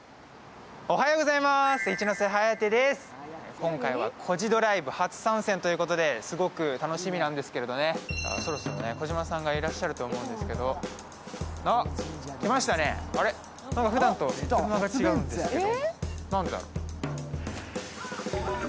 今回は「コジドライブ」初参戦ということですごく楽しみなんですけど、そろそろ児嶋さんがいらっしゃると思うんですけど、来ましたね、ふだんと車が違うんですけど。